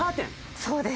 そうです。